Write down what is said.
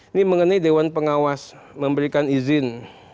ini mengenai dewan pengawas memberikan izin